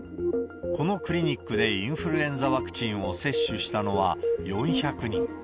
このクリニックでインフルエンザワクチンを接種したのは４００人。